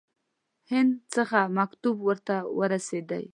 هند څخه مکتوب ورته ورسېدی.